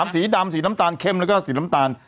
สีดำสีน้ำตาลเข้มแล้วก็สีน้ำตาล